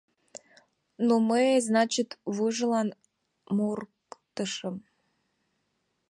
Ну, мый, значит, вуйжылан мурыктышым.